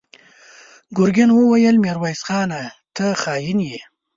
ګرګين وويل: ميرويس خانه! ته خاين يې!